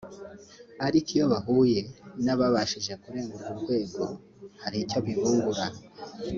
ariko iyo bahuye n’ababashije kurenga urwo rwego hari icyo bibungura